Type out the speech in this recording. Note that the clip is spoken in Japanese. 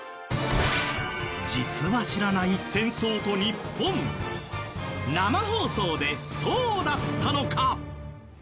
実は知らない戦争と日本生放送で、そうだったのか！